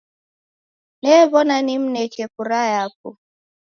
New'ona nimneke kura yapo.